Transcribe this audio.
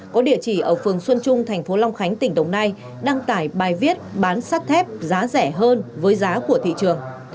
có địa chỉ ở phường xuân trung thành phố long khánh tỉnh đồng nai đăng tải bài viết bán sắt thép giá rẻ hơn với giá của thị trường